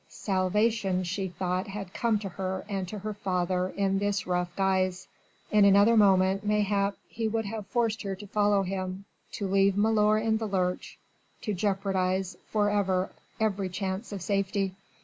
Salvation she thought had come to her and to her father in this rough guise. In another moment mayhap he would have forced her to follow him, to leave milor in the lurch, to jeopardise for ever every chance of safety.